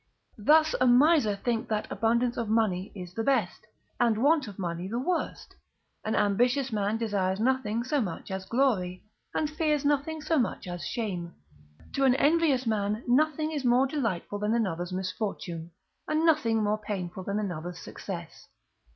Thus a miser thinks that abundance of money is the best, and want of money the worst; an ambitious man desires nothing so much as glory, and fears nothing so much as shame. To an envious man nothing is more delightful than another's misfortune, and nothing more painful than another's success.